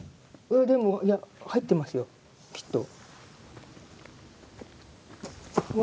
いやでもいや入ってますよきっと。